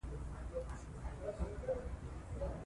فصل پوره باراني اوبه څښلې وې.